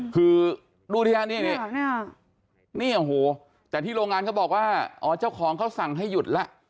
คือดูทีนี้แต่ที่โรงงานเขาบอกว่าเจ้าของเขาสั่งให้หยุดละ